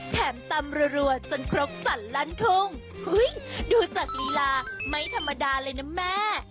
แถมตำรวดจนครบสั่นลันทุ่งเฮ้ยดูสัตว์ฬีลาไม่ธรรมดาเลยนะแม่